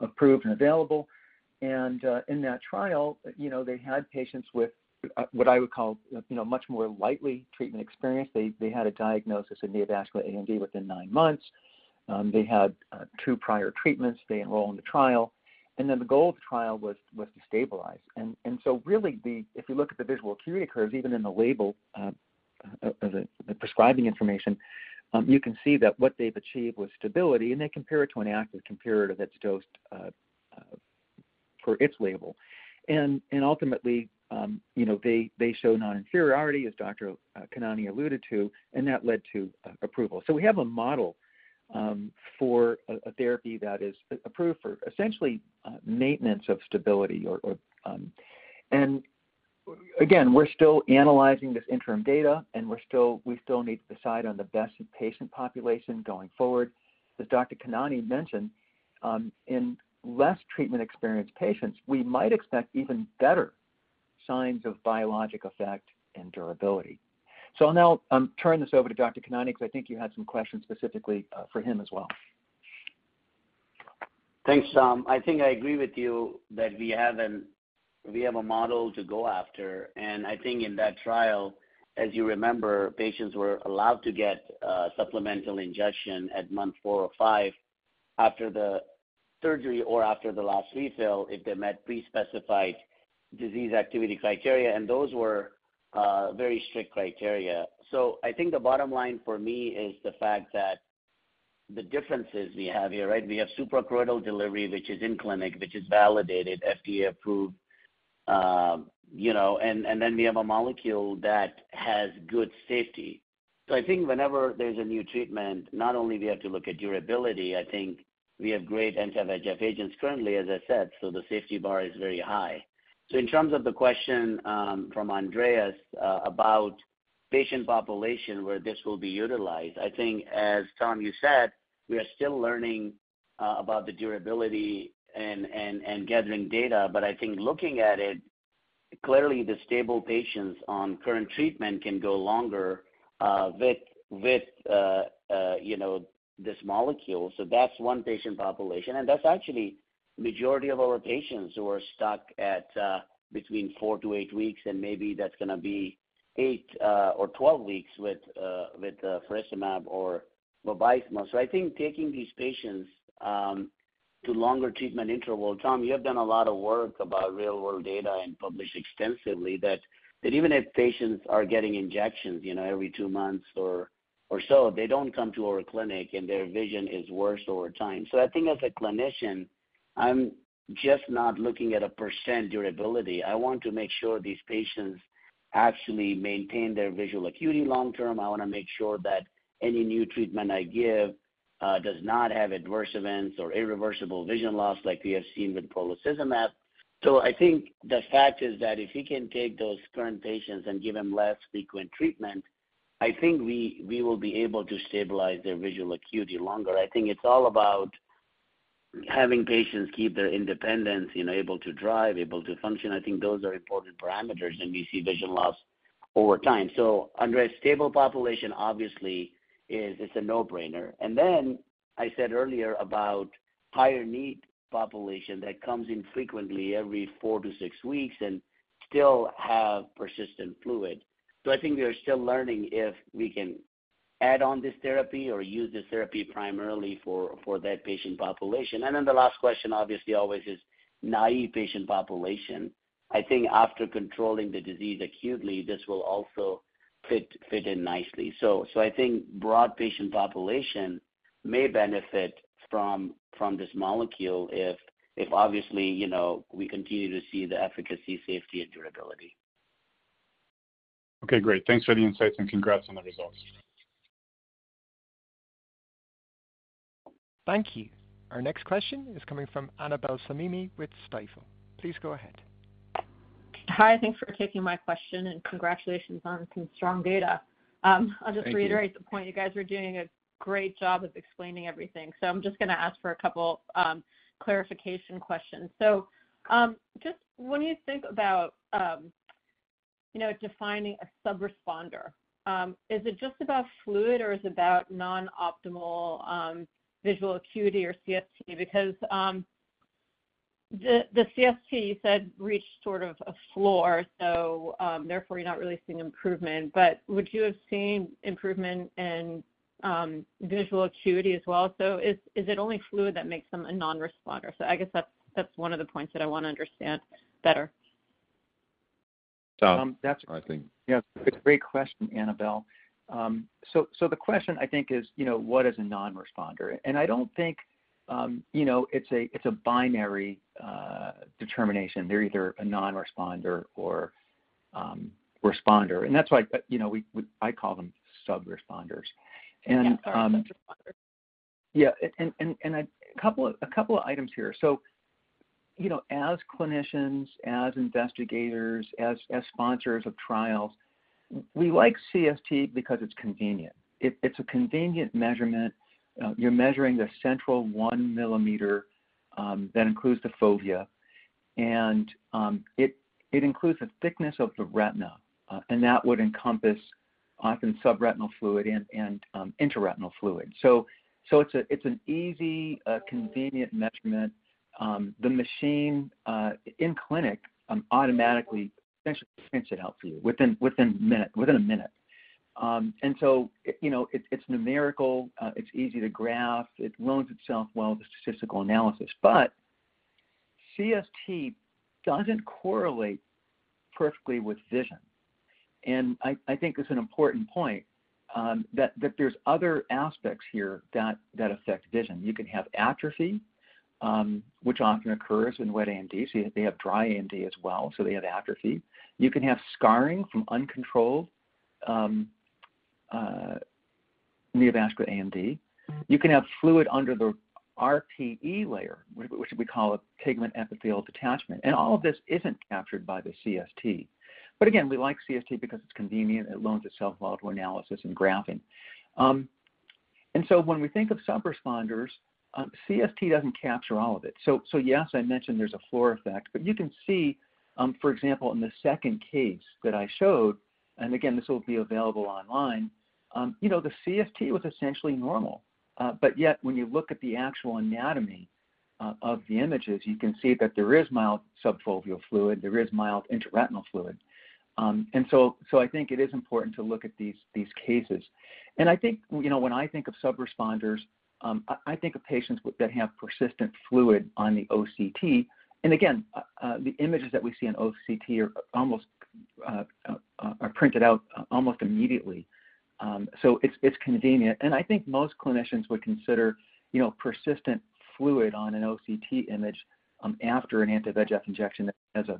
approved and available. In that trial, you know, they had patients with what I would call, you know, much more lightly treatment experienced. They had a diagnosis of neovascular AMD within nine months. They had two prior treatments. They enroll in the trial. Then the goal of the trial was to stabilize. Really, if you look at the visual acuity curves, even in the label of the prescribing information, you can see that what they've achieved was stability, and they compare it to an active comparator that's dosed per its label. Ultimately they show non-inferiority, as Dr. Khanani alluded to, and that led to approval. We have a model for a therapy that is approved for essentially maintenance of stability or. Again, we're still analyzing this interim data, and we still need to decide on the best patient population going forward. As Dr. Khanani mentioned, in less treatment experienced patients, we might expect even better signs of biologic effect and durability. I'll now turn this over to Dr. Khanani, because I think you had some questions specifically for him as well. Thanks, Tom. I think I agree with you that we have a model to go after. I think in that trial, as you remember, patients were allowed to get supplemental injection at month four or 5. After the surgery or after the last refill, if they met pre-specified disease activity criteria, and those were very strict criteria. I think the bottom line for me is the fact that the differences we have here, right? We have suprachoroidal delivery, which is in clinic, which is validated, FDA-approved, you know, and then we have a molecule that has good safety. I think whenever there's a new treatment, not only we have to look at durability, I think we have great anti-VEGF agents currently, as I said, so the safety bar is very high. In terms of the question from Andreas about patient population where this will be utilized, I think, as Tom, you said, we are still learning about the durability and gathering data. I think looking at it, clearly, the stable patients on current treatment can go longer with, you know, this molecule. That's one patient population, and that's actually majority of our patients who are stuck at between four to eight weeks, and maybe that's gonna be eight or 12 weeks with faricimab or Vabysmo. I think taking these patients to longer treatment interval. Tom, you have done a lot of work about real-world data and published extensively that even if patients are getting injections, you know, every two months or so, they don't come to our clinic, and their vision is worse over time. I think as a clinician, I'm just not looking at a percent durability. I want to make sure these patients actually maintain their visual acuity long term. I wanna make sure that any new treatment I give does not have adverse events or irreversible vision loss like we have seen with brolucizumab. I think the fact is that if you can take those current patients and give them less frequent treatment, I think we will be able to stabilize their visual acuity longer. I think it's all about having patients keep their independence, you know, able to drive, able to function. I think those are important parameters, and we see vision loss over time. Under a stable population, it's a no-brainer. I said earlier about higher-need population that comes in frequently every four to six weeks and still have persistent fluid. I think we are still learning if we can add on this therapy or use this therapy primarily for that patient population. The last question obviously always is naïve patient population. I think after controlling the disease acutely, this will also fit in nicely. I think broad patient population may benefit from this molecule if obviously, you know, we continue to see the efficacy, safety and durability. Okay, great. Thanks for the insights and congrats on the results. Thank you. Our next question is coming from Annabel Samimy with Stifel. Please go ahead. Hi, thanks for taking my question and congratulations on some strong data. Thank you. I'll just reiterate the point. You guys are doing a great job of explaining everything. I'm just gonna ask for a couple clarification questions. Just when you think about, you know, defining a sub-responder, is it just about fluid or is it about non-optimal visual acuity or CST? Because the CST you said reached sort of a floor, so therefore you're not really seeing improvement. Would you have seen improvement in visual acuity as well? Is it only fluid that makes them a non-responder? I guess that's one of the points that I wanna understand better. Tom. Um, that's- I think. Yeah, it's a great question, Annabel. The question I think is, you know, what is a non-responder? I don't think, you know, it's a binary determination. They're either a non-responder or responder. That's why, you know, I call them sub-responders. Yeah. Subresponder. Yeah. A couple of items here. You know, as clinicians, as investigators, as sponsors of trials, we like CST because it's convenient. It's a convenient measurement. You're measuring the central 1 mm that includes the fovea, and it includes the thickness of the retina, and that would encompass often subretinal fluid and intraretinal fluid. It's an easy, convenient measurement. The machine in clinic automatically prints it out for you within a minute. You know, it's numerical. It's easy to graph. It lends itself well to statistical analysis. CST doesn't correlate perfectly with vision. I think it's an important point that there's other aspects here that affect vision. You can have atrophy, which often occurs in wet AMD, so they have dry AMD as well, so they have atrophy. You can have scarring from uncontrolled neovascular AMD. You can have fluid under the RPE layer, which we call a pigment epithelial detachment. All of this isn't captured by the CST. Again, we like CST because it's convenient. It lends itself well to analysis and graphing. When we think of sub-responders, CST doesn't capture all of it. Yes, I mentioned there's a floor effect, but you can see, for example, in the second case that I showed, and again, this will be available online, you know, the CST was essentially normal. When you look at the actual anatomy of the images, you can see that there is mild subfoveal fluid, there is mild intraretinal fluid. I think it is important to look at these cases. I think, you know, when I think of sub-responders, I think of patients that have persistent fluid on the OCT. Again, the images that we see on OCT are printed out almost immediately. It's convenient, and I think most clinicians would consider, you know, persistent fluid on an OCT image after an anti-VEGF injection as a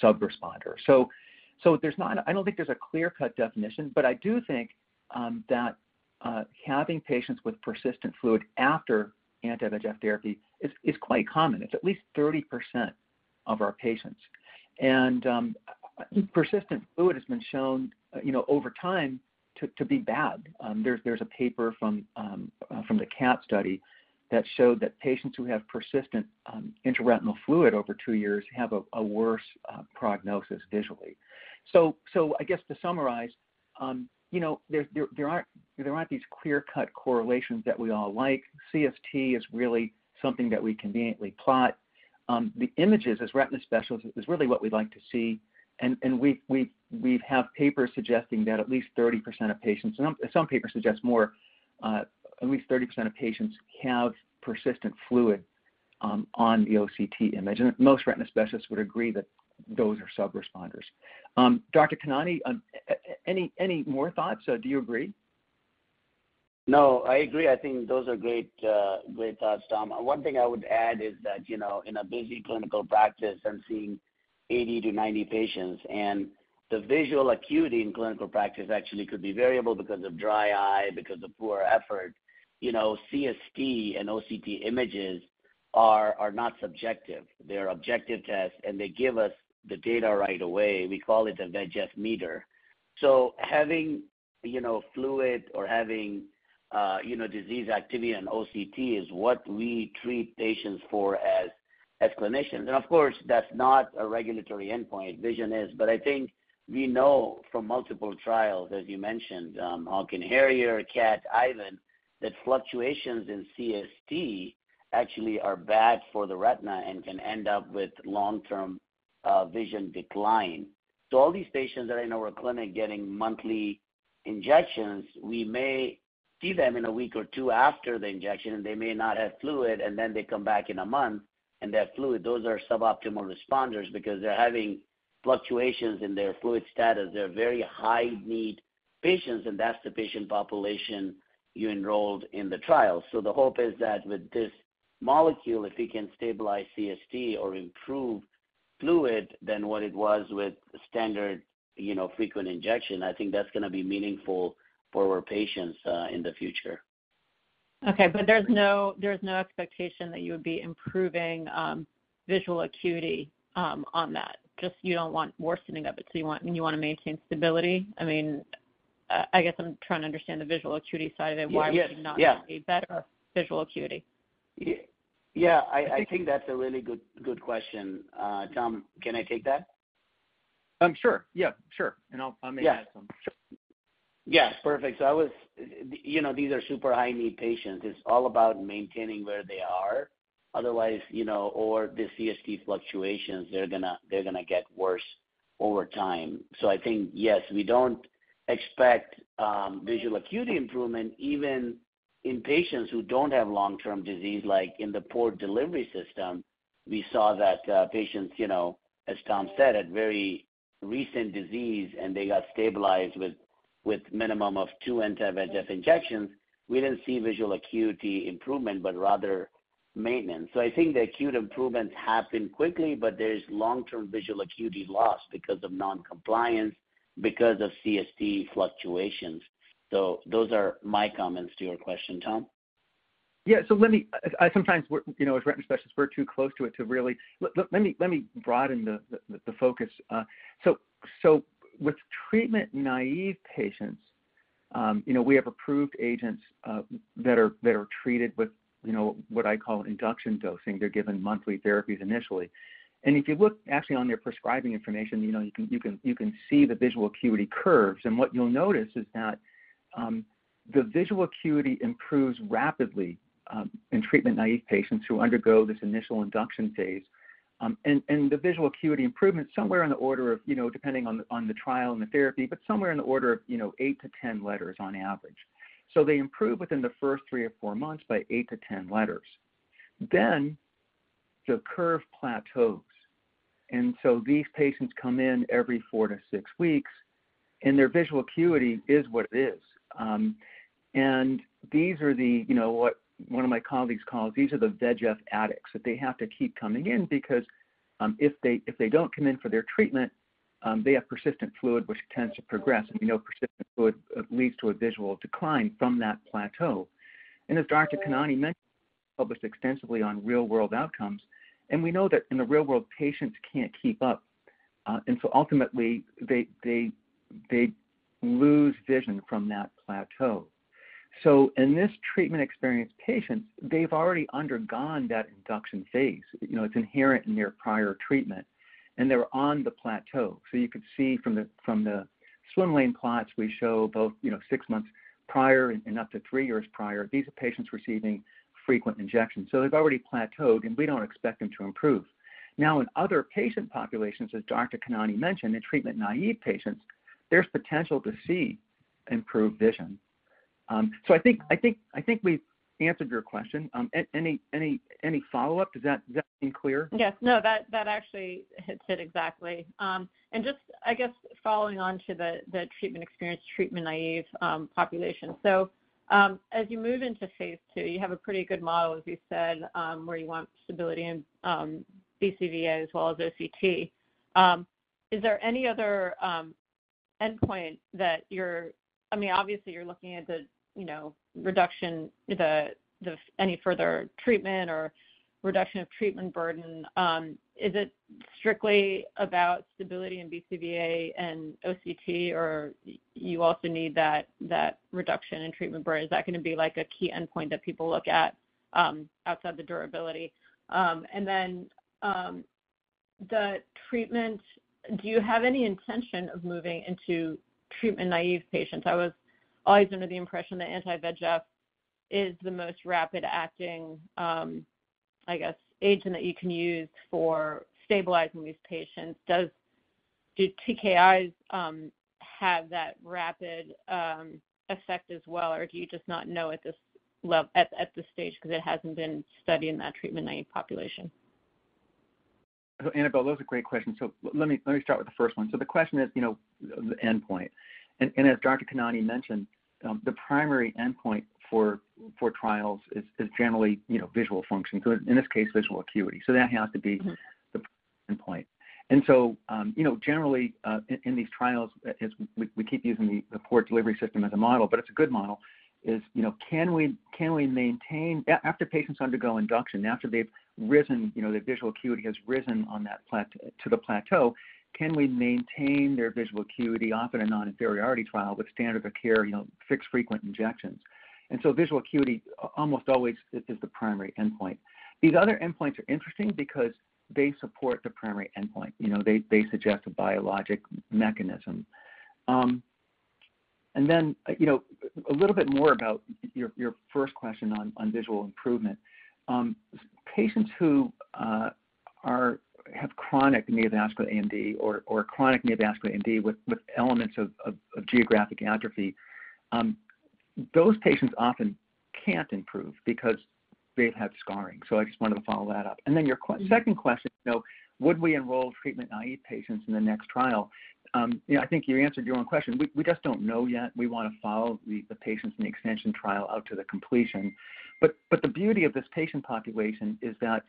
sub-responder. I don't think there's a clear-cut definition, but I do think that having patients with persistent fluid after anti-VEGF therapy is quite common. It's at least 30% of our patients. Persistent fluid has been shown, you know, over time to be bad. There's a paper from the CATT study that showed that patients who have persistent intraretinal fluid over two years have a worse prognosis visually. I guess to summarize, you know, there aren't these clear-cut correlations that we all like. CST is really something that we conveniently plot. The images, as retina specialists, is really what we like to see, and we have papers suggesting that at least 30% of patients, and some papers suggest more, at least 30% of patients have persistent fluid on the OCT image. Most retina specialists would agree that those are sub-responders. Dr. Khanani, any more thoughts? Do you agree? No, I agree. I think those are great thoughts, Tom. One thing I would add is that, you know, in a busy clinical practice, I'm seeing 80-90 patients, and the visual acuity in clinical practice actually could be variable because of dry eye, because of poor effort. You know, CST and OCT images are not subjective. They're objective tests, and they give us the data right away. We call it a VEGF meter. So having, you know, fluid or having, you know, disease activity on OCT is what we treat patients for as clinicians. Of course, that's not a regulatory endpoint. Vision is. I think we know from multiple trials, as you mentioned, HAWK and HARRIER, CATT, IVAN, that fluctuations in CST actually are bad for the retina and can end up with long-term vision decline. All these patients that are in our clinic getting monthly injections, we may see them in a week or two after the injection, and they may not have fluid, and then they come back in a month, and they have fluid. Those are suboptimal responders because they're having fluctuations in their fluid status. They're very high-need patients, and that's the patient population you enrolled in the trial. The hope is that with this molecule, if we can stabilize CST or improve fluid than what it was with standard, you know, frequent injection, I think that's gonna be meaningful for our patients in the future. Okay. There's no expectation that you would be improving visual acuity on that. Just you don't want worsening of it, so you want, and you want to maintain stability? I mean, I guess I'm trying to understand the visual acuity side of it. Yes. Yeah. Why would you not want a better visual acuity? Yeah. I think that's a really good question. Tom, can I take that? Sure. Yeah. Sure. I may add some. Yeah. Sure. Yeah. Perfect. You know, these are super high-need patients. It's all about maintaining where they are. Otherwise, you know, or the CST fluctuations, they're gonna get worse over time. I think, yes, we don't expect visual acuity improvement, even in patients who don't have long-term disease, like in the Port Delivery System, we saw that, patients, you know, as Tom said, had very recent disease, and they got stabilized with minimum of two anti-VEGF injections. We didn't see visual acuity improvement, but rather maintenance. I think the acute improvements happen quickly, but there's long-term visual acuity loss because of non-compliance, because of CST fluctuations. Those are my comments to your question, Tom. Sometimes we're, you know, as retina specialists, we're too close to it. Let me broaden the focus. With treatment naïve patients, you know, we have approved agents that are treated with, you know, what I call induction dosing. They're given monthly therapies initially. If you look actually on their prescribing information, you know, you can see the visual acuity curves, and what you'll notice is that the visual acuity improves rapidly in treatment naïve patients who undergo this initial induction phase. The visual acuity improvement is somewhere on the order of, you know, depending on the trial and the therapy, but somewhere in the order of, you know, 8-10 letters on average. They improve within the first 3 or 4 months by 8-10 letters. The curve plateaus. These patients come in every 4-6 weeks, and their visual acuity is what it is. These are the, you know, what one of my colleagues calls, these are the VEGF addicts, that they have to keep coming in because, if they don't come in for their treatment, they have persistent fluid, which tends to progress, and we know persistent fluid leads to a visual decline from that plateau. As Dr. Khanani mentioned, he's published extensively on real-world outcomes, and we know that in the real world, patients can't keep up, and ultimately, they lose vision from that plateau. In this treatment-experienced patients, they've already undergone that induction phase. You know, it's inherent in their prior treatment, and they were on the plateau. You could see from the swim lane plots we show both, you know, six months prior and up to 3 years prior. These are patients receiving frequent injections. They've already plateaued, and we don't expect them to improve. Now, in other patient populations, as Dr. Khanani mentioned, in treatment naïve patients, there's potential to see improved vision. I think we've answered your question. Any follow-up? Did that seem clear? Yes. No, that actually hits it exactly. Just, I guess following on to the treatment-experienced, treatment naïve population. As you move into phase II, you have a pretty good model, as you said, where you want stability in BCVA as well as OCT. Is there any other endpoint that you're looking at? I mean, obviously you're looking at the, you know, reduction, any further treatment or reduction of treatment burden. Is it strictly about stability in BCVA and OCT, or you also need that reduction in treatment burden? Is that gonna be, like, a key endpoint that people look at outside the durability? Then, the treatment, do you have any intention of moving into treatment naïve patients? I was always under the impression that anti-VEGF is the most rapid acting, I guess, agent that you can use for stabilizing these patients. Do TKIs have that rapid effect as well, or do you just not know at this stage because it hasn't been studied in that treatment naïve population? Annabel, those are great questions. Let me start with the first one. The question is, you know, the endpoint. And as Dr. Khanani mentioned, the primary endpoint for trials is generally, you know, visual function. In this case, visual acuity. That has to be. Mm-hmm. The endpoint. Generally, in these trials, as we keep using the port delivery system as a model, but it's a good model, you know, can we maintain after patients undergo induction, after they've risen, you know, their visual acuity has risen on that plateau, their visual acuity in a non-inferiority trial with standard of care, you know, fixed frequent injections? Visual acuity almost always is the primary endpoint. These other endpoints are interesting because they support the primary endpoint. You know, they suggest a biologic mechanism. You know, a little bit more about your first question on visual improvement. Patients who have chronic neovascular AMD or chronic neovascular AMD with elements of geographic atrophy, those patients often can't improve because they have scarring. I just wanted to follow that up. Your second question, you know, would we enroll treatment naïve patients in the next trial? You know, I think you answered your own question. We just don't know yet. We wanna follow the patients in the expansion trial out to the completion. The beauty of this patient population is that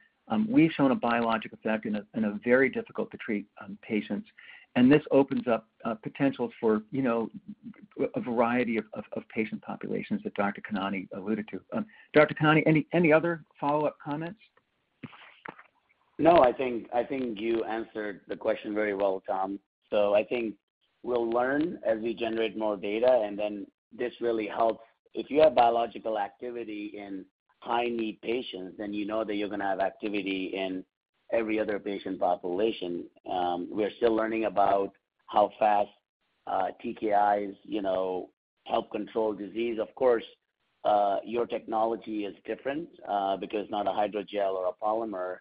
we've shown a biologic effect in a very difficult to treat patients, and this opens up potential for, you know, a variety of patient populations that Dr. Khanani alluded to. Dr. Khanani, any other follow-up comments? No. I think you answered the question very well, Tom. I think we'll learn as we generate more data, and then this really helps. If you have biological activity in high-need patients, then you know that you're gonna have activity in every other patient population. We're still learning about how fast TKIs, you know, help control disease. Of course, your technology is different, because it's not a hydrogel or a polymer,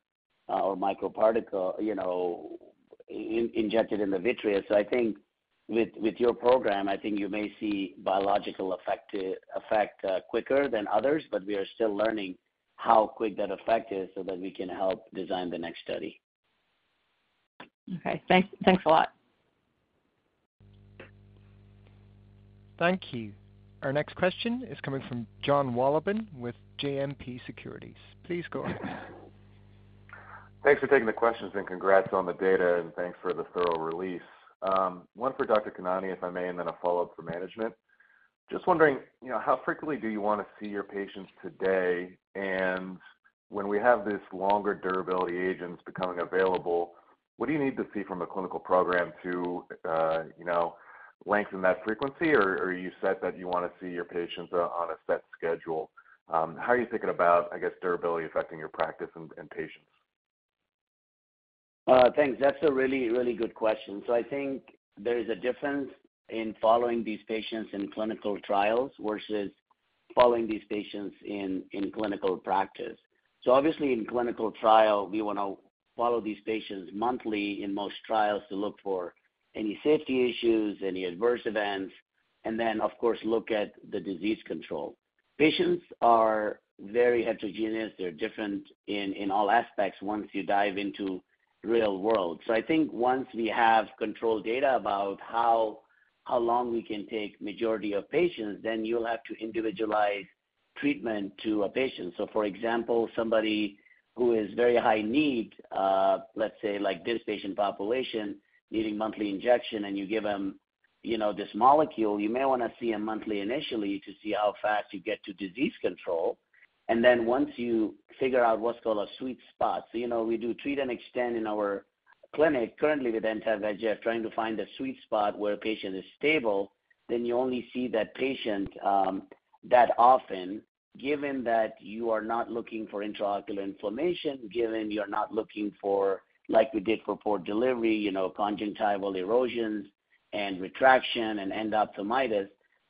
or microparticle, you know, injected in the vitreous. I think with your program, I think you may see biological effect quicker than others, but we are still learning how quick that effect is so that we can help design the next study. Okay. Thanks. Thanks a lot. Thank you. Our next question is coming from Jon Wolleben with JMP Securities. Please go ahead. Thanks for taking the questions, and congrats on the data, and thanks for the thorough release. One for Dr. Khanani, if I may, and then a follow-up for management. Just wondering, you know, how frequently do you wanna see your patients today? And when we have these longer durability agents becoming available, what do you need to see from a clinical program to, you know, lengthen that frequency? Or are you set that you wanna see your patients on a set schedule? How are you thinking about, I guess, durability affecting your practice and patients? Thanks. That's a really, really good question. I think there is a difference in following these patients in clinical trials versus following these patients in clinical practice. Obviously in clinical trial, we wanna follow these patients monthly in most trials to look for any safety issues, any adverse events, and then of course look at the disease control. Patients are very heterogeneous. They're different in all aspects once you dive into real world. I think once we have controlled data about how long we can take majority of patients, then you'll have to individualize treatment to a patient. For example, somebody who is very high need, let's say like this patient population needing monthly injection, and you give them, you know, this molecule, you may wanna see them monthly initially to see how fast you get to disease control. Once you figure out what's called a sweet spot, so you know, we do treat and extend in our clinic currently with anti-VEGF trying to find the sweet spot where a patient is stable, then you only see that patient that often given that you are not looking for intraocular inflammation, given you're not looking for like we did for Port Delivery, you know, conjunctival erosions and retraction and endophthalmitis.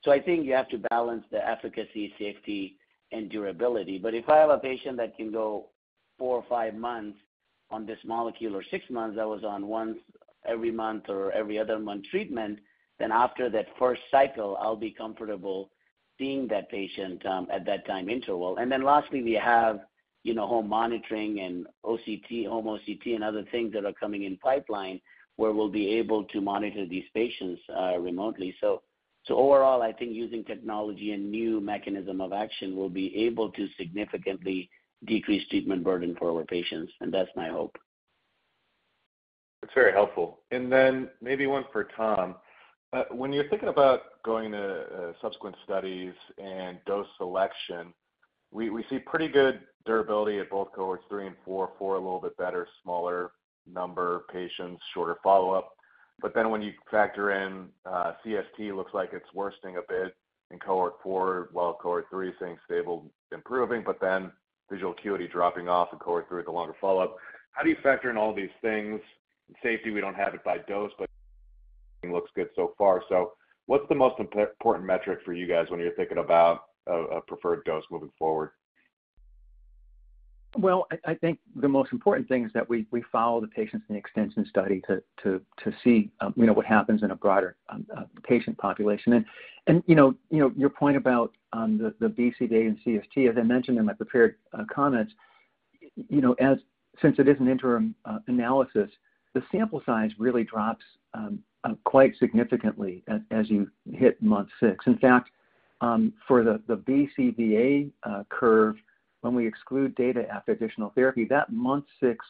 I think you have to balance the efficacy, safety, and durability. If I have a patient that can go four or five months on this molecule or six months that was on once every month or every other month treatment, then after that first cycle, I'll be comfortable seeing that patient at that time interval. Lastly, we have, you know, home monitoring and OCT, home OCT, and other things that are coming in the pipeline where we'll be able to monitor these patients remotely. Overall, I think using technology and new mechanism of action, we'll be able to significantly decrease treatment burden for our patients, and that's my hope. That's very helpful. Maybe one for Tom. When you're thinking about going to subsequent studies and dose selection, we see pretty good durability at both Cohorts 3 and 4 a little bit better, smaller number of patients, shorter follow-up. When you factor in, CST looks like it's worsening a bit in Cohort 4, while Cohort 3 staying stable, improving, but then visual acuity dropping off in Cohort 3 with a longer follow-up. How do you factor in all these things? Safety, we don't have it by dose, but everything looks good so far. What's the most important metric for you guys when you're thinking about a preferred dose moving forward? I think the most important thing is that we follow the patients in the extension study to see you know what happens in a broader patient population. You know your point about the BCVA and CST, as I mentioned in my prepared comments, you know since it is an interim analysis, the sample size really drops quite significantly as you hit month six. In fact, for the BCVA curve, when we exclude data after additional therapy, that month six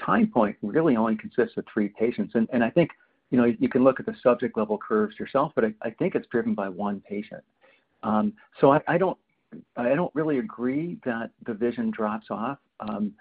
time point really only consists of three patients. I think you know you can look at the subject level curves yourself, but I think it's driven by one patient. So I don't really agree that the vision drops off. Um-